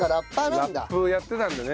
ラップやってたんでね